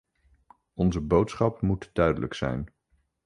Onze boodschap moet duidelijk zijn.